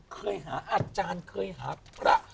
เคยหาอาจารย์เคยหาพระ